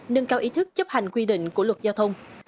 nâng cao ý thức chấp hành quy định của luật giao thông